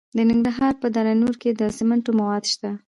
د ننګرهار په دره نور کې د سمنټو مواد شته.